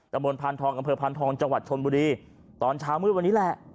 บนพานทองอำเภอพานทองจังหวัดชนบุรีตอนเช้ามืดวันนี้แหละ